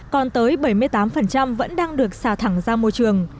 còn tới bảy mươi tám vẫn đang được xả thẳng ra môi trường